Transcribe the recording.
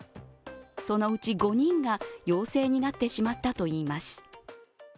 そのうち５人が陽性になってしまったといいます。